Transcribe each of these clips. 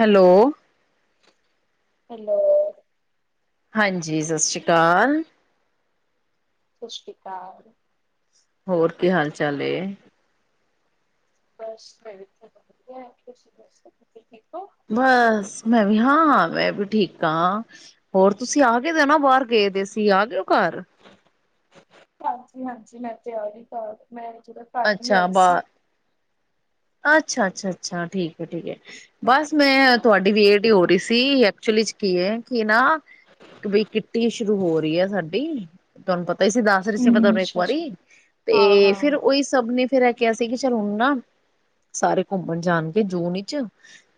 Hello. Hello. ਹਾਂਜੀ ਸਾਸਰੀ ਕਾਲ। ਸਾਸਰੀ ਕਾਲ। ਹੋਰ ਕੀ ਹਾਲ ਚਾਲ ਏ? ਬਸ ਮੈਂ ਵੀ ਵਧੀਆ ਤੁਸੀ ਦੱਸੋ ਤੁਸੀਂ ਠੀਕ ਓ? ਬਸ, ਮੈਂ ਵੀ ਹਾਂ ਮੈਂ ਵੀ ਠੀਕ ਆ। ਹੋਰ ਤੁਸੀਂ ਆ ਗਏ ਨੀ ਦੇ ਨਾ ਬਾਹਰ ਗਏ ਦੇ ਸੀ ਆ ਗਏ ਓ ਘਰ? ਹਾਂਜੀ-ਹਾਂਜੀ ਮੈਂ ਤੇ ਆਗੀ ਘਰ ਮੈਂ ਜਦੋ ਘਰ ਵੀ ਅੱਛਾ ਆਈ ਸੀ। ਬਾਹਰ ਅੱਛਾ ਅੱਛਾ ਅੱਛਾ ਠੀਕ ਹੈ ਠੀਕ ਹੈ। ਬਸ ਮੈਂ ਤੁਹਾਡੀ ਵੇਟ ਈ ਹੋ ਰਹੀ ਸੀ ਐਕਚੁਲੀ 'ਚ ਕੀ ਏ ਕਿ ਨਾ ਬਈ ਕਿੱਟੀ ਸ਼ੁਰੂ ਹੋ ਰਹੀ ਐ ਸਾਡੀ, ਤੁਹਾਨੂੰ ਪਤਾ ਈ ਸੀ ਦੱਸ ਸੀ ਪਤਾ ਹੂੰ, ਉਹਨੂੰ ਇੱਕ ਅੱਛਾ-ਅੱਛਾ। ਵਾਰੀ, ਤੇ ਹਾਂ-ਹਾਂ, ਫਿਰ ਉਹੀ ਸਭ ਨੇ ਫੇਰ ਇਹ ਕਿਹਾ ਸੀ ਕਿ ਚਲ ਹੁਣ ਨਾ ਸਾਰੇ ਘੁੰਮਣ ਜਾਣਗੇ ਜੂਨ ਵਿੱਚ,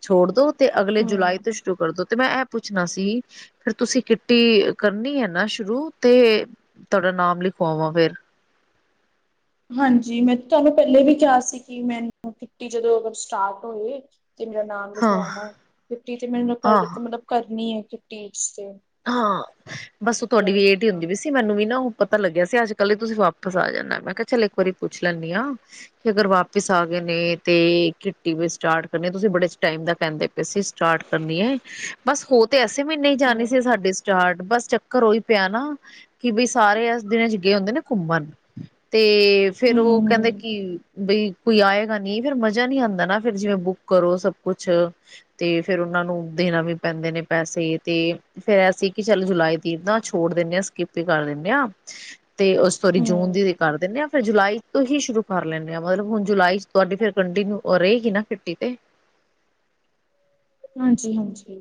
ਛੋੜ ਦੋ ਤੇ ਅਗਲੇ ਜੁਲਾਈ ਹੂੰ। ਤੋਂ ਕਰਦੋ ਤੇ ਮੈਂ ਐ ਪੁੱਛਣਾ ਸੀ ਫਿਰ ਤੁਸੀਂ ਕਿੱਟੀ ਕਰਨੀ ਹੈ ਨਾ ਸ਼ੁਰੂ ਤੇ, ਤੁਹਾਡਾ ਨਾਮ ਲਿਖਵਾਵਾਂ ਫੇਰ। ਹਾਂਜੀ ਮੈਂ ਤੁਹਾਨੂੰ ਪਹਿਲੇ ਵੀ ਕਿਹਾ ਸੀ ਕਿ ਮੈਨੂੰ ਕਿੱਟੀ ਜਦੋਂ ਅਗਰ ਸਟਾਰਟ ਹੋਏ ਤੇ ਮੇਰਾ ਨਾਮ ਹਾਂ ਲਿਖਵਾਣਾ। ਕਿੱਟੀ ਤੇ ਮੈ ਹਾਂ ਦਿੱਤਾ ਮਤਲਬ ਕਰਨੀ ਹੈ ਕਿੱਟੀ ਤੇ। ਹਾਂ, ਬਸ ਉਹ ਤੁਹਾਡੀ ਜੁਆਇਨ। ਵੇਟ ਈ ਹੁੰਦੀ ਪਈ ਸੀ। ਤੇ ਮੈਨੂੰ ਵੀ ਨਾ ਉਹ ਪਤਾ ਲੱਗਿਆ ਸੀ ਅੱਜਕੱਲ ਹੀ ਤੁਸੀਂ ਵਾਪਸ ਆ ਜਾਂਣਾ ਮੈਂ ਕਿਹਾ ਚੱਲ ਇੱਕ ਵਾਰੀ ਪੁੱਛ ਲੈਂਨੀ ਆ। ਕੀ ਅਗਰ ਵਾਪਿਸ ਆ ਗਏ ਨੇ ਤੇ ਕਿੱਟੀ ਵੀ ਸਟਾਰਟ ਕਰਨੇ ਤੁਸੀਂ ਬੜੇ ਟਾਈਮ ਦਾ ਕਹਿੰਦੇ ਅਸੀ ਸਟਾਰਟ ਕਰਨੀ ਏ, ਬਸ ਹੋ ਤੇ ਅਸੀਂ ਵੀ ਇੰਨੇ ਈ ਜਾਣੇ ਸੀ ਹੂੰ-ਹੂੰ, ਸਾਡੇ ਚਾਟ ਬਸ ਚੱਕਰ ਉਹੀ ਪਿਆ ਨਾ ਕਿ ਬਈ ਸਾਰੇ ਇਸ ਦਿਨ 'ਚ ਗਏ ਹੁੰਦੇ ਨੇ ਘੁੰਮਣ। ਤੇ ਫੇਰ ਉਹ ਕਹਿੰਦੇ ਕਿ ਬਈ ਕੋਈ ਆਏਗਾ ਨੀ ਫੇਰ ਮਜਾ ਨੀ ਆਂਦਾ ਨਾ ਫੇਰ ਜਿਵੇਂ ਬੁੱਕ ਕਰੋ ਸਭ ਕੁਛ। ਤੇ ਫੇਰ ਉਹਨਾਂ ਨੂੰ ਦੇਣਾ ਵੀ ਪੈਂਦੇ ਨੇ ਪੈਸੇ ਤੇ ਫੇਰ ਐਸੀਂ ਕਿ ਚੱਲ ਜੁਲਾਈ ਤੀਰ ਨਾ ਛੋੜ ਦਿੰਨੇ ਆ ਸਕਿੱਪ ਹੀ ਕਰ ਦਿੰਦੇ ਹਾਂ ਤੇ ਉਸ ਸੋਰੀ ਹੂੰ, ਜੂਨ ਦੀ ਕਰ ਦਿੰਨੇ ਆ ਫਿਰ ਜੁਲਾਈ ਤੋਂ ਹੀ ਸ਼ੁਰੂ ਕਰ ਲੈਂਨੇ ਆ ਮਤਲਬ ਹੁਣ ਜੁਲਾਈ 'ਚ ਤੁਹਾਡੀ ਫੇਰ ਕੰਟੀਨਿਊ ਰਹੇਗੀ ਨਾ ਕਿੱਟੀ ਤੇ। ਹਾਂਜੀ-ਹਾਂਜੀ।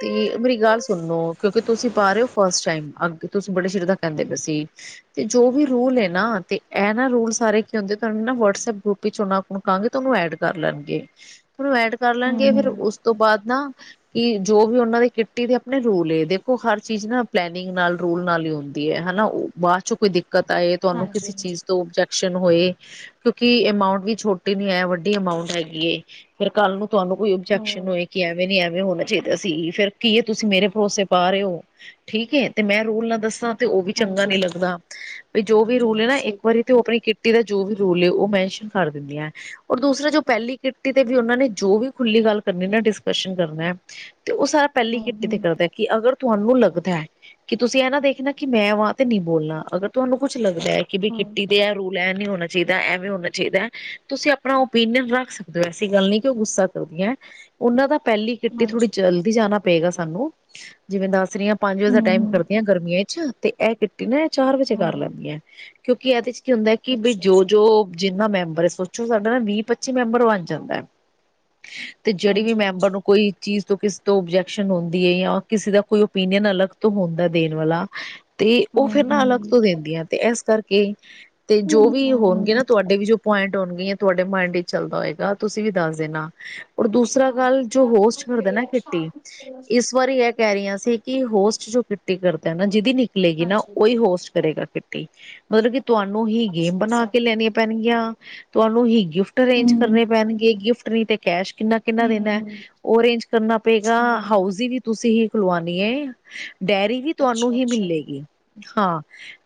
ਤੇ ਮੇਰੀ ਗੱਲ ਸੁਣੋ ਕਿਉਂਕਿ ਤੁਸੀਂ ਪਾ ਰਹੇ ਹੋ ਫਸਟ ਟਾਈਮ ਅਗ ਤੁਸੀਂ ਬੜੇ ਚਿਰ ਦਾ ਕਹਿੰਦੇ ਪਏ ਸੀ। ਤੇ ਜੋ ਵੀ ਰੂਲ ਏ ਨਾ ਤੇ ਐ ਨਾ ਰੂਲ ਸਾਰੇ ਕੀ ਹੁੰਦੇ ਤੁਹਾਨੂੰ ਨਾ ਵਟਸਐਪ ਗਰੁੱਪ ਵੀ ਚੁਣਾ ਆਪਾਂ ਨੂੰ ਕਾਂਗੇ ਤਾਂ ਉਹਨੂੰ ਐਡ ਕਰ ਲੈਣਗੇ ਉਹਨੂੰ ਐਡ ਕਰ ਲੈਣਗੇ ਫੇਰ ਹੂੰ-ਹੂੰ, ਉਸ ਤੋਂ ਬਾਅਦ ਨਾ ਕਿ ਜੋ ਵੀ ਉਹਨਾਂ ਦੇ ਕਿੱਟੀ ਦੇ ਆਪਣੇ ਰੂਲ ਏ ਦੇਖੋ ਹਰ ਚੀਜ਼ ਨਾ ਪਲੈਨਿੰਗ ਨਾਲ, ਰੂਲ ਨਾਲ ਹੀ ਹੁੰਦੀ ਏ ਹਨਾ। ਬਾਅਦ ਚੋਂ ਕੋਈ ਦਿੱਕਤ ਆਏ ਤੁਹਾਨੂੰ ਕਿਸੇ ਹਾਂਜੀ-ਹਾਂਜੀ, ਚੀਜ਼ ਤੋਂ ਔਬਜਿਕਸ਼ਨ ਹੋਏ, ਕਿਉਂਕਿ ਅਮਾਉਂਟ ਵੀ ਛੋਟੀ ਨੀ ਏ ਵੱਡੀ ਅਮਾਊਂਟ ਹੈਗੀ ਏ ਫਿਰ ਕੱਲ ਨੂੰ ਤੁਹਾਨੂੰ ਕੋਈ ਓਬਜੈਕਸ਼ਨ ਹੂੰ, ਹੋਏ ਕਿ ਐਵੇਂ ਨੀ ਐਵੇਂ ਹੋਣਾ ਚਾਹੀਦਾ ਸੀ ਫ਼ਿਰ ਕੀ ਹੈ ਤੁਸੀਂ ਮੇਰੇ ਭਰੋਸੇ ਪਾ ਰਹੇ ਓ, ਠੀਕ ਏ ਤੇ ਮੈਂ ਰੂਲ ਨਾ ਦੱਸਾਂ ਤੇ ਉਹ ਵੀ ਚੰਗਾ ਨੀ ਹਾਂਜੀ-ਹਾਂਜੀ। ਲੱਗਦਾ, ਵੀ ਜੋ ਵੀ ਰੂਲ ਏ ਚਲੋ ਨਾ ਇੱਕ ਸਹੀ ਗੱਲ ਵਾਰੀ ਤੇ ਹੈ ਉਹ ਆਪਣੀ ਕਿੱਟ ਟੀ ਦਾ ਜੋ ਵੀ ਰੋਲ ਉਹ ਮੈਨਸ਼ਨ ਕਰ ਦਿੰਦੀ ਆ। ਔਰ ਦੂਸਰਾ ਜੋ ਪਹਿਲੀ ਕਿੱਟੀ ਤੇ ਵੀ ਉਹਨਾਂ ਨੇ ਜੋ ਵੀ ਖੁੱਲ੍ਹੀ ਗੱਲ ਕਰਨੀ ਨਾ ਡਿਸਕਸ਼ਨ ਕਰਨਾ ਤੇ ਉਹ ਸਾਰਾ ਪਹਿਲੀ ਕਿੱਟੀ ਹੂੰ-ਹੂੰ, ਤੇ ਕਰਦਾ ਕਿ ਅਗਰ ਤੁਹਾਨੂੰ ਲੱਗਦਾ, ਕਿ ਤੁਸੀਂ ਇਹ ਨਾ ਦੇਖਣਾ ਕਿ ਮੈਂ ਵਹਾਂ ਤੇ ਨੀ ਬੋਲਣਾ ਅਗਰ ਤੁਹਾਨੂੰ ਕੁੱਛ ਲੱਗਦਾ ਕਿ ਬਈ ਹੂੰ ਕਿੱਟੀ ਦੇ ਐ ਰੂਲ ਐ ਨੀ ਹੋਣਾ ਚਾਹੀਦਾ ਐਵੇਂ ਹੋਣਾ ਚਾਹੀਦਾ ਹੈ ਤੁਸੀਂ ਆਪਣਾ ਓਪੀਨੀਅਨ ਰੱਖ ਸਕਦੇ ਹੋ ਐਸੀ ਗੱਲ ਨਹੀਂ ਕਿ ਉਹ ਗੁੱਸਾ। [unintelligible] ਉਹਨਾਂ ਦਾ ਪਹਿਲੀ। ਤੇ ਥੋੜ੍ਹੀ ਹਾਂਜੀ ਜਲਦੀ ਜਾਣਾ ਪਏਗਾ, ਸਾਨੂੰ ਜਿਵੇਂ ਦੱਸ ਰਹੀ ਹਾਂ ਪੰਜ ਵਜੇ ਦਾ ਟਾਈਮ ਹੂੰ-ਹੂੰ, ਕਰ। ਗਰਮੀਆਂ ਚ ਤੇ ਇਹ ਕਿਟੀ ਨਾ ਚਾਰ ਵਜੇ ਕਰ ਹੂੰ ਲੈਂਦੀਆਂ ਕਿਉਂਕਿ ਇਹਦੇ ਚ। ਕੀ ਹੁੰਦਾ ਕਿ, ਬਈ ਅੱਛਾ-ਅੱਛਾ ਜੋ ਜਿੰਨਾ ਮੈਂਬਰ ਹੈ, ਸੋਚੋ ਸਾਡਾ ਨਾ ਵੀਹ ਪੱਚੀ ਮੈਂਬਰ ਬਣ ਜਾਂਦਾ ਹੈ। ਤੇ ਜਿਹੜੀ ਵੀ ਮੈਂਬਰ ਹਾਂਜੀ-ਹਾਂਜੀ ਨੂੰ ਕੋਈ। ਚੀਜ਼ ਤੋਂ, ਕਿਸੇ ਤੋਂ ਓਬਜੈਕਸ਼ਨ ਹੁੰਦੀ ਹੈ ਜਾਂ ਕਿਸੇ ਦਾ ਕੋਈ ਓਪੀਨੀਅਨ ਅਲੱਗ ਤੋਂ ਹੁੰਦਾ ਦੇਣ ਵਾਲਾ। ਤੇ ਉਹ ਫਿਰ ਹੂੰ-ਹੂੰ, ਨਾ ਹੂੰ-ਹੂੰ ਅਲੱਗ ਤੋਂ ਦਿੰਦੀਆਂ, ਤੇ ਇਸ ਕਰਕੇ ਤੇ ਜੋ ਵੀ ਹੋਣਗੇ ਹਾਂਜੀ ਨਾ ਤੁਹਾਡੇ ਵੀ ਜੋ। ਪੁਆਇੰਟ ਹੋਣਗੀਆ ਤੁਹਾਡੇ ਮਾਇਡ ਵਿੱਚ ਚੱਲਦਾ ਹੋਏਗਾ, ਤੁਸੀਂ ਵੀ ਦੱਸ ਦੇਣਾ। ਔਰ ਦੂਸਰਾ ਅੱਛਾ-ਅੱਛਾ ਗੱਲ, ਜੋ ਹੋਸਟ ਹੂੰ, ਕਰਦਾ ਨਾ, ਕਿਟੀ ਇਸ ਵਾਰੀ ਇਹ ਕਹਿ ਰਹੀਆਂ ਸੀ ਕਿ ਹੋਸਟ ਜੋ ਕਿੱਟੀ ਕਰਦਾ ਨਾ, ਜਿਹਦੀ ਨਿਕਲੇਗੀ ਨਾ, ਉਹੀ ਹੋਸਟ ਕਰੇਗਾ ਕਿੱਟੀ। ਮਤਲਬ ਕੀ ਤੁਹਾਨੂੰ ਹੀ ਗੇਮ ਬਣਾ ਕੇ ਲੈਣੀਆਂ ਪੈਣਗੀਆਂ, ਤੁਹਾਨੂੰ ਹੀ ਗਿਫਟ। ਗਿਫਟ ਅਰੇਂਜ ਹੂੰ-ਹੂੰ, ਕਰਨੇ ਪੈਣਗੇ ਗਿਫਟ ਨਹੀਂ ਤੇ, ਕੈਸ਼ ਕਿੰਨਾ ਕਿੰਨਾ-ਦਿਣਾ ਹੈ। ਉਹ ਅਰੇਂਜ ਕਰਨਾ ਪਏਗਾ, ਹੂੰ-ਹੂੰ ਹਾਊਜ਼ ਵੀ ਤੁਸੀਂ ਹੀ ਖਲਵਾਣੀ ਡੇਅਰੀ। ਵੀ ਤੁਹਾਨੂੰ ਹੀ ਅੱਛਾ-ਅੱਛਾ, ਮਿਲੇਗੀ, ਹਾਂ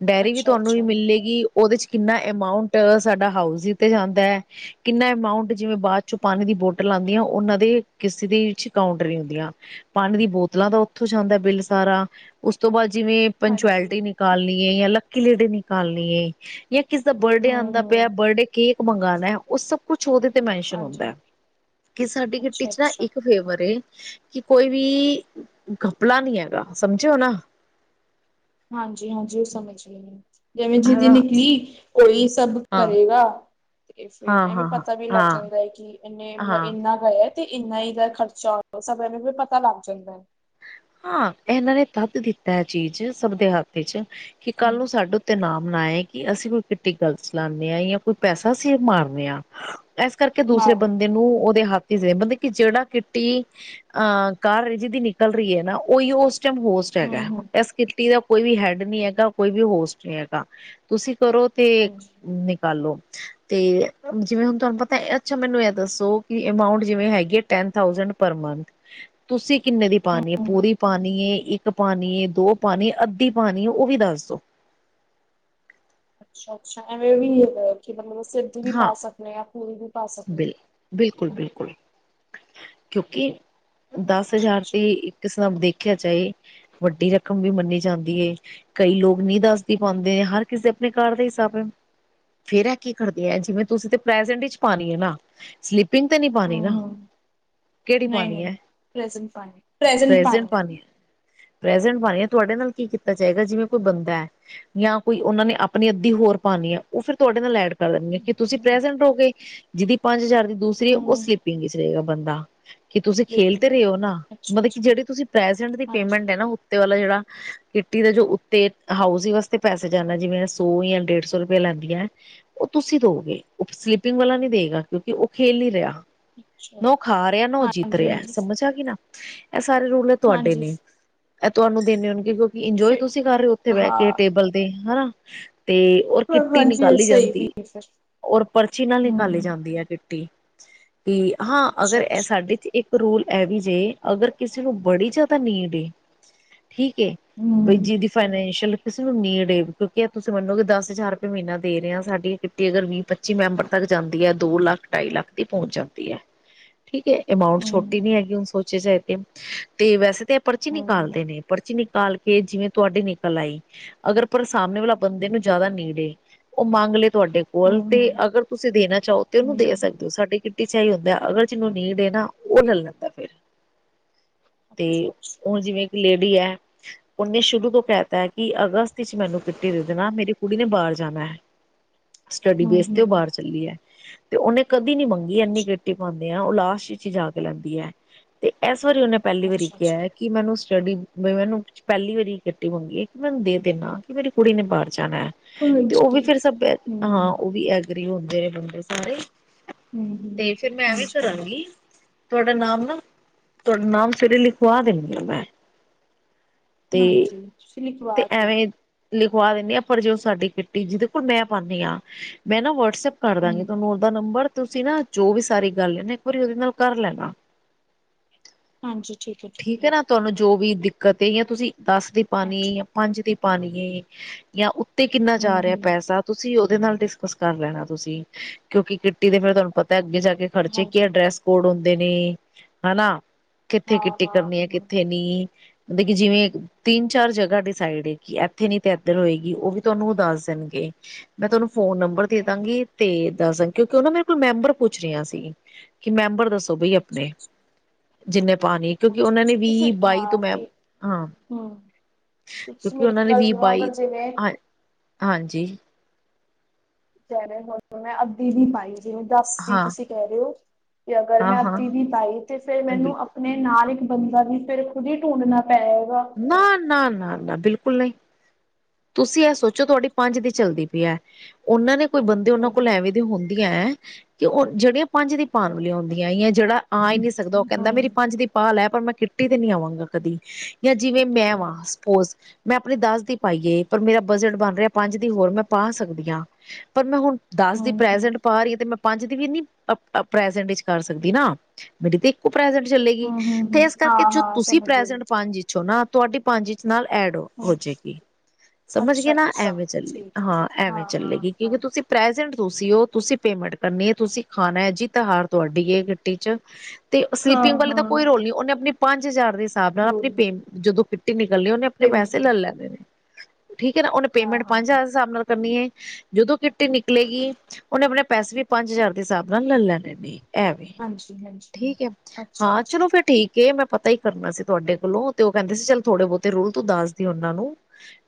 ਡੈਰੀ ਵੀ ਤੁਹਾਨੂੰ ਹੀ ਅੱਛਾ-ਅੱਛਾ ਮਿਲੇਗੀ। ਉਹਦੇ ਚ ਕਿੰਨਾ ਅਮਾਊਂਟ ਸਾਡਾ ਹਾਊਸੀ ਤੇ ਜਾਂਦਾ ਹੈ। ਕਿੰਨਾ ਅਮਾਊਂਟ, ਜਿਵੇਂ ਬਾਅਦ ਚੋਂ ਪਾਣੀ ਦੀ ਬੋਟਲ ਆਉਂਦੀ ਆ ਉਹਨਾਂ ਦੇ। ਕਿਸੇ ਦੇ ਵਿੱਚ ਕਾਊਂਟਰ ਨਹੀਂ ਹੁੰਦੀਆਂ। ਪਾਣੀ ਦੀ ਬੋਤਲਾਂ ਤਾਂ ਉੱਥੋਂ ਜਾਂਦਾ ਬਿੱਲ ਸਾਰਾ, ਉਸ ਤੋਂ ਬਾਅਦ ਜਿਵੇਂ। ਹਾਂਜੀ ਪੰਚੁਐਲਿਟੀ ਨਿਕਾਲਨੀ ਆ ਯਾ [unintelligible] ਨਿਕਾਲਨੀ ਹੈ। ਯਾ ਕਿਸੇ ਦਾ ਬਰਡੇ ਆਉਂਦਾ ਪਿਆ, ਹੂੰ-ਹੂੰ ਬਰਡੇ ਕੇਕ ਮੰਗਉਣਾ ਉਹ ਸਭ ਕੁਛ ਉਹਦੇ ਤੇ ਮੈਨਸ਼ਨ ਹਾਂਜੀ ਹੁੰਦਾ। ਕਿ ਸਾਡੀ ਅੱਛਾ-ਅੱਛਾ [unintelligible] ਹੈ ਕਿ ਕੋਈ ਵੀ ਗਪਲਾ ਨਹੀ ਹੈਗਾ, ਸਮਝਿਓ ਨਾ। ਹਾਂਜੀ ਹਾਂਜੀ, ਉਹ ਸਮਝ ਗਈ ਮੈ। ਜਿਵੇਂ ਜਿਦੀ ਹਨਾ ਨਿਕਲੀ ਉਹੀ ਸਭ ਹਾਂ ਕਰੇਗਾ। ਤੇ ਫਿਰ ਹਾਂ ਐਵੇਂ ਹਾਂ ਹਾਂ ਪਤਾ ਵੀ ਲੱਗ ਹਾਂ ਜਾਂਦਾ ਹੈ ਕਿ ਇਨੇ, ਮਤਲਬ ਹਾਂ ਇੰਨਾ। [unintelligible] ਤੇ ਇੰਨਾ ਹੀ ਇਹਦਾ ਖਰਚਾ ਸਭ ਇਹਨੂੰ ਵੀ ਪਤਾ ਲੱਗ ਜਾਂਦਾ ਹੈ। ਹਾਂ, ਇਹਨਾਂ ਨੇ ਤਦ ਕਿਤਾ ਹੈ ਚੀਜ਼ ਸਭ ਦੇ ਹੱਥ ਚ ਕਿ ਕੱਲ ਹਮ ਨੂੰ ਸਾਡੇ ਸਾਡੇ ਉਤੇ ਨਾਮ ਨਾ ਆਏ ਕਿ ਅਸੀਂ ਕੋਈ ਕਿਟੀ ਗੱਲਤ ਚਲਾਉਂਦੇ ਹਾਂ ਜਾਂ ਕੋਈ ਪੈਸਾ ਅਸੀ ਮਾਰਨੇ ਹਾਂ। ਤੇ ਇਸ ਕਰਕੇ ਦੂਸਰੇ ਬੰਦੇ ਨੂੰ ਉਹਦੇ ਹੱਕ। ਮਤਲਬ ਕਿ ਜਿਹੜਾ ਕਿੱਟੀ ਅਹ ਕਾਰ ਰਿਹਾ ਜਿਦੀ ਨਿਕਲ ਰਹੀ ਹੈ, ਨਾ ਉਹੀ ਉਸ। ਹੋਸਟ ਹੈਗਾ ਹਮ-ਹਮ ਇਸਟੀ ਦਾ ਕੋਈ ਵੀ ਹੈਡ ਨੀ ਹੈਗਾ, ਕੋਈ ਵੀ ਹੋਸਟ ਨਹੀ ਹੈਗਾ। ਤੁਸੀਂ ਕਰੋ ਤੇ ਹਾਂਜੀ। ਨਿਕਾਲੋ। ਤੇ ਜਿਵੇਂ ਹੁਣ ਤੁਹਾਨੂੰ ਪਤਾ ਇਹਦੇ 'ਚ ਮੈਨੂੰ ਇਹ ਦੱਸੋ ਕਿ ਅਮਾਊਂਟ ਜਿਵੇਂ ਹੈਗੀ ਹੈ। ਟੈਂਨ ਥਾਉਜੇਂਡ ਪਰ ਮੰਥ ਤੁਸੀਂ ਕਿੰਨੀ ਪਾਣੀ ਹੈ ਹਮ ਪੂਰੀ ਪਾਣੀ ਏ ਇੱਕ ਪਾਣੀ ਦੋ ਪਾਣੀ ਅੱਧੀ ਪਾਣੀ ਹੈ ਉਹ ਵੀ ਦੱਸ ਦੋ ਅੱਛਾ-ਅੱਛਾ ਐਵੇਂ ਵੀ ਹੈਗਾ ਕਿ ਮਤਲਬ ਅਸੀ ਅੱਧੀ ਵੀ ਹਾਂ ਪਾ ਸਕਦੇ ਆ ਪੂਰੀ ਵੀ ਪਾ ਸਕਦੇ ਹਾਂ। ਬਿਲ ਬਿਲਕੁਲ-ਬਿਲਕੁਲ ਕਿਉਂਕਿ ਦਸ ਹਜ਼ਾਰ ਅੱਛਾ-ਅੱਛਾ ਤੇ ਇਕ ਸਾਬ ਦੇਖਿਆ ਜਾਏ ਵੱਡੀ ਰਕਮ ਵੀ ਮੰਨੀ ਜਾਂਦੀ ਏ ਕਈ ਲੋਕ ਨਹੀਂ ਦੱਸਦੀ ਪਾਂਦੇ ਨੇ ਹਰ ਕਿਸੇ ਆਪਣੇ ਘਰ ਦੇ ਹਿਸਾਬ ਹੈ ਫਿਰ ਇਹ ਕੀ ਕਰਦੇ ਆ ਜਿਵੇਂ ਤੁਸੀਂ ਤੇ ਪ੍ਰੈਜੈਂਟ 'ਚ- ਪਾਣੀ ਹੈ ਨਾ ਸਲੀਿਪਿੰਗ ਤੇ ਨੀ ਪਾਣੀ ਨਾ। ਹਮ-ਹਮ ਕਿਹੜੀ ਪਾਣੀ ਹੈ ਨਹੀਂ-ਨਹੀਂ ਪ੍ਰੈਜੈਂਟ ਪਾਣੀ ਪ੍ਰੈਜੈਂਟ ਪ੍ਰਜੈਂਟ ਪਾਣੀ ਹੈ ਪ੍ਰੈਜੈਂਟ ਪਾਣੀ ਹੈ ਤੁਹਾਡੇ ਨਾਲ ਕੀ ਕੀਤਾ ਜਾਏਗਾ ਜਿਵੇਂ ਕੋਈ ਬੰਦਾ ਐ। ਜਾਂ ਕੋਈ ਉਹਨਾਂ ਨੇ ਆਪਣੀ ਅੱਧੀ ਹੋਰ ਪਾਣੀ ਹੈ ਉਹ ਫਿਰ ਤੁਹਾਡੇ ਨਾਲ ਐਡ ਕਰ ਦੇਂਗੇ ਕਿ ਤੁਸੀਂ ਪ੍ਰੈਜੈਂਟ ਹੋ ਗਏ ਜੇਹਦੀ ਪੰਜ ਹਜ਼ਾਰ ਦੀ ਦੂਸਰੀ ਓਹ ਹਮ। ਸਲਿਪ ਪਿੰਗ ਇਚ ਰਹੇ ਗਾ ਬੰਦਾ ਕਿ ਤੁਸੀਂ ਖੇਲ ਤੇ ਰੇ ਓ ਨਾ, ਮਤਲਬ ਕਿ ਅੱਛਾ-ਅੱਛਾ ਜੇਹੜੀ ਤੁਸੀ ਪ੍ਰੈਜੈਂਟ ਦੀ ਹਾਂਜੀ ਪੇਮੈਂਟ ਐ ਨਾ ਉਤੇ ਵਾਲਾ ਜੇਹੜਾ ਕਿਟੀ ਦਾ ਜੋ ਉਤੇ ਹਾਊਸੀ ਵਾਸਤੇ ਪੈਸੇ ਜਾਂਦਾ ਜਿਵੇਂ ਸੋ ਯਾਂ ਡੇਢ ਸੋ ਰੁਪਏ ਲੈਂਦੀਆਂ। ਓਹ ਤੁਸੀਂ ਦੋਗੇ ਓਹ ਸਲਿਪਿੰਗ ਵਾਲਾ ਨਈ ਦੇਗਾ, ਕਿਉਂਕਿ ਓਹ ਖੇਲ ਨੀ ਰੇਆ। ਨ ਅੱਛਾ। ਓ ਖਾ ਰੇਆ, ਨਾ ਓ ਜਿੱਤ ਹਾਂਜੀ ਰੇਆ, ਹਾਂਜੀ ਸਮਝ ਆ ਗੀ ਨਾ। ਐ ਸਾਰੇ ਰੂਲ ਨੇ ਤੁਹਾਡੇ ਹਾਂਜੀ ਨੇ, ਐਹ ਤੁਹਾਨੂੰ ਦੇਂਨੇ ਹੋਣਗੇ ਕਿਉ ਇੰਜੋਏ ਫਿਰ ਤੁਸੀਂ ਕਰ ਰਏ ਓ ਉਥੇ ਬੈਅ ਹਾਂ ਕੇ ਟੇਬਲ ਤੇ ਹੈਨਾ, ਤੇ ਔਰ ਕਿੱਟੀ ਹਾਂਜੀ ਨਿਕਾਲੀ ਸਹੀ ਵੀ ਜਾਂਦੀ, ਫਿਰ ਔਰ ਪਰ ਨਾਲੇ ਹਮ ਖਾਲੀ ਜਾਂਦੀ ਆ ਕਿੱਟੀ, ਕਿ ਹਾਂ ਅਗਰ ਅੱਛਾ ਏਹ ਅੱਛਾ ਸਾਡੇ 'ਚ ਇੱਕ ਰੂਲ ਐ ਵੀ ਜੇ ਅਗਰ ਕਿਸੇ ਨੂੰ ਬੜੀ ਜੇਆਦਾ ਨੀਂਡ ਏ, ਠੀਕ ਏ। ਬਈ ਹਮ ਜੀਦੀ ਫਾਈਨੈਂਸ਼ੀਅਲ ਕਿਸੇ ਨੂੰ ਨੀਂਡ ਏ, ਕਿਉਂਕਿ ਤੁਸੀਂ ਮੰਨੋ ਗੇ ਦਸ ਹਜ਼ਾਰ ਰੁਪਏ ਮਹੀਨਾ ਦੇ ਰੇ ਆਂ ਸਾਡੀ ਅਗਰ ਵੀਹ-ਪੱਚੀ ਮੈਂਬਰ ਤੱਕ ਜਾਂਦੀ ਐ ਦੋ ਲੱਖ ਢਾਈ ਲੱਖ ਦੀ ਪਹੁੰਚ ਜਾਂਦੀ ਐ, ਠੀਕ ਹੈ ਅਮਾਊਂਟਂ ਹਮ ਛੋਟੀ ਨੀ ਹੈਗੀ ਹੁਣ ਸੋ ਸੋਸਾਇਟੀ, ਤੇ ਵੈਸੇ ਤੇ ਐ ਪਰਚੀ ਹਮ ਨਿਕਾਲਦੇ ਨੇ। ਪਰਚੀ ਨਿਕਾਲ ਕੇ, ਜਿਵੇਂ ਤੁਆਡੀ ਨਿਕਲ ਆਈ। ਅਗਰ ਪਰ ਸਾਹਮਣੇ ਵਾਲਾ ਬੰਦੇ ਨੂੰ ਜੇਆਦਾ ਨੀਂਡ ਏ ਓਹ ਮੰਗ ਲੇ। ਤੁਹਾਡੇ ਕੋਲ ਹਮ ਤੇ ਹਮ ਅਗਰ ਤੁਸੀਂ ਦੇਣਾ ਚਾਹੋ ਤੇ ਉਨੂੰ ਦੇ ਹਮ ਸਕ ਸਾਡੀ ਕਿੱਟੀ 'ਚ ਏਹੀ ਹੁੰਦਾ ਐ ਅਗਰ ਜਿਨੂੰ ਨੀਂਡ ਏ ਨਾ, ਓਹ ਲੈ ਲੈਂਦਾ ਫੇਰ ਅੱਛਾ ਤੇ ਅੱਛਾ ਹੁਣ ਜਿਵੇਂ ਇੱਕ ਲੇਡੀ ਐ। ਓਹਨੇ ਸ਼ੁਰੂ ਤੋਂ ਕੈਹਤਾ ਕਿ ਅਗਸਤ ਵਿੱਚ ਮੈਨੂੰ ਕਿੱਟੀ ਦੇ ਦੇਣਾ, ਮੇਰੀ ਕੁੜੀ ਨੇ ਬਾਰ ਜਾਣੈ। ਸਟੱਡੀ ਹਮ ਬੇਸ ਤੇ ਓ ਹਮ ਬਾਰ ਚੱਲੀ ਐ, ਤੇ ਓੱਨੇ ਕਦੀ ਨੀ ਮੰਗੀ ਏੱਨੀ ਅੱਛਾ ਕਿੱਟੀ ਪਾਂਦੀ। ਹਾਂ ਉਹ ਲਾਸਟ ਵਿੱਚ ਹੀ ਜਾ ਕੇ ਲੈਂਦੀ ਐ, ਤੇ ਐਸ ਵਾਰੀ ਓਹਨੇ ਪੈਹਲੀ ਵਾਰੀ ਅੱਛਾ ਕੇਆ ਅੱਛਾ ਕੀ ਕੀ ਮੈਨੂੰ ਸਟੱਡੀ, ਵੇ ਮੈਨੂੰ ਪੈਹਲੀ ਵਾਰੀ ਕਿੱਟੀ ਮੰਗੀ ਏ, ਕਿ ਮੈਨੂੰ ਦੇ ਦੇਂਨਾ ਕਿ ਮੇਰੀ ਕੁੜੀ ਨੇ ਬਾਰ ਜਾਣਾ। ਤੇ ਓਹ ਹਾਂਜੀ ਵੀ ਫਿਰ ਸਭ ਹਮ ਹਾਂ ਓਹ ਵੀ ਐਗਰੀ ਹੁੰਦੇ ਰਹੇ ਬੰਦੇ ਸਾਰੇ ਹਮ ਹਮ ਤੇ ਫਿਰ ਮੈਂ ਐਂਵੇ ਹਾਂਜੀ ਹਾਂਜੀ ਕਰਾਂਗੀ। ਤੁਹਾਡਾ ਨਾਮ ਨਾ, ਤੁਹਾਡਾ ਨਾਮ ਸਵੇਰੇ ਲਿਖਵਾ ਦੇਂਣੀ ਆਂ ਮੈਂ। ਤੇ ਹਾਂਜੀ। ਤੁਸੀਂ ਤੇ ਲਿਖਵਾ ਦਿਓ ਐਵੇਂ ਲਿਖਵਾ ਦਿਨੇ ਆਂ ਪਰ ਜੇ ਓਹ ਸਾਡੀ ਕਿੱਟੀ ਜਿਦੇ ਬਿਲਕੁਲ ਮੈਂ ਪਾਨੀ ਆ, ਮੈਂ ਨਾ ਵਟਸਐਪ ਕਰ ਹਮ ਦਾਂਗੀ ਤੁਹਾਨੂੰ ਓਹਦਾ ਨੰਬਰ ਤੁਸੀਂ ਨਾ ਜੋ ਵੀ ਸਾਰੀ ਗੱਲ ਐ ਨਾ ਇੱਕ ਵਾਰੀ ਉਦੇ ਨਾਲ ਕਰ ਲੈਨਾ। ਹਾਂਜੀ ਠੀਕ ਐ। ਠੀਕ ਐ ਨਾ ਤੁਆਨੂੰ ਜੋ ਵੀ ਦਿ ਕਤੇ ਜਾਂ ਤੁਸੀਂ ਦਸ ਦੀ ਪਾਨੀ ਹਾਂਜੀ ਜਾਂ ਪੰਜ ਦੀ ਪਾਨੀ ਏ। ਜਾਂ ਉਤੇ ਕਿੰਨਾ ਜਾ ਹਮ ਰੇਆ ਹਮ ਪੈਸਾ ਤੁਸੀਂ ਓਹਦੇ ਨਾਲ ਡਿਸਕਸ ਕਰ ਲੈਣਾ ਤੁਸੀਂ ਕਿਉਂਕਿ ਕਿੱ ਟੀ ਦੇ ਫੇਰ ਤੁਆਨੂੰ ਪਤਾ ਅੱਗੇ ਜਾ ਕੇ ਖਰਚੇ ਕੀ ਆ ਹਾਂਜੀ ਡਰੈਸ ਕੋਡ ਹੁੰਦੇ ਨੇ ਹੈਨਾ। ਕਿੱਥੇ ਹਾਂ ਕਿੱਟੀ ਹਾਂ ਕਰਨੀ ਐ ਕਿੱਥੇ ਨੀ, ਮਤਲਬ ਕਿ ਜਿਵੇਂ ਤਿੰਨ-ਚਾਰ ਜਗਾ ਡਿਸਾਈਡ ਏ ਕਿ ਐਥੇ ਨੀ ਤੇ ਐਧਰ ਹੋਏਗੀ, ਓਹ ਵੀ ਤੁਆਨੂੰ ਦੱਸ ਦੇਣਗੇ। ਮੈਂ ਤੁਆਨੂੰ ਫੋਨ ਨੰ ਮਬਰ ਦੇ ਦਾਂਗੀ, ਤੇ ਦੱਸ ਕਿਉਂਕਿ ਓਨਾਂ ਮੇਰੇ ਕੋਲ ਮੈਂਬਰ ਪੁੱਛ ਰੇਆ ਸੀ ਕਿ ਮੈਂਬਰ ਦੱਸੋ ਤੋਂ ਬਈ ਅੱਛਾ ਆਪਣੇ, ਅੱਛਾ ਜਿੰਨੇ ਪਾਨੀ ਕਿਉਂਕਿ ਅੱਛਾ ਉਨਾਂ ਨੇ ਅੱਛਾ ਤੁਸੀਂ ਵੀਹ-ਬਾਈ ਤੋਂ ਹਾਂ ਮੈਂ, ਤੇ ਹਾਂ ਹਮ ਤੁਸੀਂ ਕਿਉਂਕਿ ਮੇਰੀ ਉਹਨਾਂ ਨੇ ਗੱਲ ਸੁਣੋ ਵੀਹ-ਬਾਈ, ਅਗਰ ਜਿਵੇਂ ਹਾਂਜੀ-ਹਾਂਜੀ। ਚਿਹਰੇ ਤੋਂ ਮੈਂ ਅੱਧੀ ਵੀ ਪਾਈ। ਜਿਵੇਂ ਦੱਸ ਦੀ ਹਾਂ ਤੁਸੀਂ ਕਹਿ ਰਹੇ ਓ ਕਿ ਅਗਰ ਹਾਂ ਮੈਂ ਹਾਂ ਅਦੀ ਵੀ ਪਾਈ ਤੇ ਫੇਰ ਮੈਨੂੰ ਆਪ ਬਿਲਕੁਲ ਆਪਣੇ ਨਾਲ ਇੱਕ ਬੰਦਾ ਵੀ ਫੇਰ ਖੁਦ ਹੀ ਢੂੰਡਣਾ ਪੈਏਗਾ। ਨਾ, ਨਾ, ਨਾ, ਨਾ ਬਿਲਕੁਲ ਨਈ। ਤੁਸੀਂ ਇਹ ਸੋਚੋ ਤੁਹਾਡੀ ਪੰਜ ਦੀ ਚੱਲਦੀ ਪਈ ਏ। ਉਹਨਾਂ ਨੇ ਕੋਈ ਬੰਦੇ ਉਹਨਾਂ ਹੂੰ ਕੋਲ ਹੂੰ ਹੂੰ ਐਵੇਂ ਦੀ ਹੁੰਦੀਆਂ ਹੈ, ਕਿ ਓਹ ਜਿਹੜੇ ਪੰਜ ਦੀ ਪਾਣ ਹੂੰ ਵਾਲੀ ਹੁੰਦੀਆਂ ਹੈ, ਜਿਹੜਾ ਆ ਹੀ ਹੂੰ ਨਹੀਂ ਸਕਦਾ ਓਹ ਕਹਿੰਦਾ ਮੇਰੀ ਪੰਜ ਦੀ ਪਾ ਲੈ ਪਰ ਮੈਂ ਕਿੱਟੀ ਤੇ ਨੀ ਆਵਾਂਗਾ ਕਦੀ, ਜਾਂ ਜਿਵੇਂ ਮੈਂ ਵਾਂ ਸਪੋਜ ਮੈਂ ਆਪਣੀ ਦੱਸ ਦੀ ਪਾਈਏ ਪਰ ਮੇਰਾ ਬਜਟ ਬਣ ਰਿਹਾ ਪੰਜ ਦੀ ਹੋਰ ਮੈਂ ਪਾ ਸਕਦੀ ਆ, ਪਰ ਮੈਂ ਹੁਣ ਹੂੰ ਦਸ ਦੀ ਹੂੰ ਪ੍ਰਜੈਂਟ ਪਾ ਰਹੀ ਆ, ਤੇ ਮੈਂ ਪੰਜ ਦੀ ਵੀ ਨੀ ਪ੍ਰਜੈਂਟ ਵਿੱਚ ਕਰ ਸਕਦੀ ਨਾ। ਮੇਰੀ ਤੇ ਇੱਕੋ ਪ੍ਰੈਜੈਟ ਚੱਲੇਗੀ, ਹੂੰ ਤੇ ਹੂੰ ਇਸ ਕਰਕੇ ਹਾਂ ਜੋ ਹਾਂ ਤੁਸੀਂ ਸਮਝ ਗਈ ਪ੍ਰੈਜੈਟ ਪੰਜ ਇ ਹੋ ਨਾ ਤੁਹਾਡੀ ਪੰਜ ਨਾਲ ਐਡ ਹੋ ਹੂੰ ਜੇਗੀ। ਸਮਝ ਅੱਛਾ ਗਏ ਨਾ ਅੱਛਾ ਐਵੇਂ ਚੱਲੇ ਠੀਕ ਹੈ ਹਾਂ ਠੀਕ ਹੈ ਐਵੇਂ ਹਾਂ ਚੱਲੇਗੀ। ਹਾਂ ਕਿਉਂਕਿ ਤੁਸੀਂ ਤੁਸੀਂ ਪ੍ਰੈਜੈਂਟ ਤੁਸੀਂ ਉਹ ਤੁਸੀਂ ਪੇਮੈਂਟ ਕਰਨੀ ਹੈ, ਤੁਸੀਂ ਖਾਣਾ ਹੈ ਜਿਤ -ਹਾਰ ਤੁਹਾਡੀ ਏ ਕਿਟੀ ਚ ਤੇ ਹਾਂ ਸਲੀਪਿੰਗ ਵਾਲੇ ਦਾ ਹਾਂ ਕੋਈ ਰੋਲ ਨਈ ਉਹਨੇ ਆਪਣੇ ਪੰਜ ਹਜ਼ਾਰ ਦੇ ਹਿਸਾਬ ਨਾਲ ਦੋ ਆਪਣੀ ਪੇਮ ਜਦੋਂ ਕਮੇਟੀ ਨਿਕਲਣੀ ਉਹਨੇ ਆਪਣੇੈੇ ਪੇਮੈਂਟ ਪੈਸੇ ਲੈ ਲੈਨੇ ਨੇ। ਠੀਕ ਏ ਨਾ, ਉਹਨੇ ਹਾਂ ਪੇਮੈਂਟ ਹਾਂ ਪੰਜ ਹਜ਼ਾਰ ਹਿਸਾਬ ਨਾਲ ਕਰਨੀ ਏ ਜਦੋਂ ਕਿੱਟੀ ਨਿਕਲੇਗੀ ਉਹਨੇ ਆਪਣੇ ਪੈਸੇ ਵੀ ਪੰਜ ਹਜ਼ਾਰ ਦੇ ਹਿਸਾਬ ਨਾਲ ਲੈ ਲੈਣੇ ਨੇ। ਐਵੇਂ ਹਾਂਜੀ ਹਾਂਜੀ ਠੀਕ ਏ ਅੱਛਾ ਹਾਂ ਚਲੋ ਅੱਛਾ ਫੇਰ ਠੀਕ ਕੇ ਮੈਂ ਪਤਾ ਈ ਕਰਨਾ ਸੀ ਤੁਹਾਡੇ ਕੋਲੋਂ ਤੇ ਓਹ ਕਹਿੰਦੇ ਸੀ ਚੱਲ ਥੋੜੇ ਬਹੁਤੇ ਰੁਲ ਤੂੰ ਦੱਸਦੀ ਉਹਨਾਂ ਨੂੰ।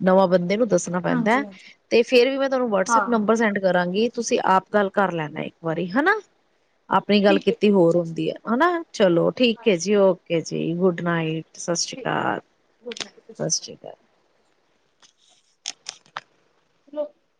ਨਵਾਂ ਬੰਦੇ ਨੂੰ ਦੱਸਣਾ ਪੈਂਦਾ, ਹਾਂਜੀ ਹਾਂਜੀ ਤੇ ਫੇਰ ਵੀ ਮੈਂ ਤੁਹਾਨੂੰ ਹਾਂ ਵਟਸਐਪ ਨੰਬਰ ਹਾਂ ਸੈਂਡ ਕਰਾਂਗੀ ਤੁਸੀਂ ਆਪ ਗੱਲ ਕਰ ਲੈਣਾ ਇੱਕ ਵਾਰੀ ਹਨਾ। ਆਪਣੀ ਗੱਲ ਠੀਕ ਹੈ ਕੀਤੀ ਠੀਕ ਹੋਰ ਹੈ ਹੁੰਦੀ ਏ, ਹਨਾ ਚਲੋ ਠੀਕ ਏ ਜੀ ਹਾਂਜੀ ਓਕੇ ਜੀ ਗੁੱਡ ਨਾਈਟ। ਸਸ੍ਰੀ ਠੀਕ ਕਾਲ। [unintelligible] [unintelligible]